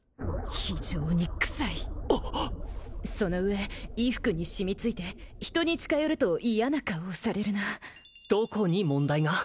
非常に臭いその上衣服に染みついて人に近寄ると嫌な顔をされるなどこに問題が？